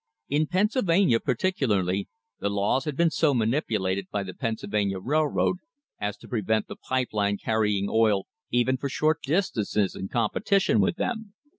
In Pennsylvania particularly the laws had been so manipulated by the Penn sylvania Railroad as to prevent the pipe line carrying oil even for short distances in competition with them.